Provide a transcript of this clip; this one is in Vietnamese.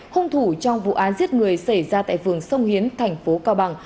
hung thủ trong vụ án giết người xảy ra tại phường sông hiến thành phố cao bằng